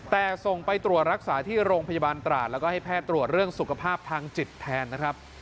แต่ส่งไปตรวจรักษาที่โรงพยาบาลตราดแล้วก็ให้แพทย์ตรวจเรื่องสุขภาพทางจิตแทนนะครับ